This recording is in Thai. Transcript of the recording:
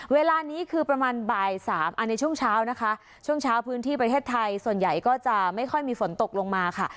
เวลานี้คือประมาณบ่ายสามอันนี้ช่วงเช้านะคะช่วงเช้าพื้นที่ประเทศไทยส่วนใหญ่ก็จะไม่ค่อยมีฝนตกลงมาค่ะ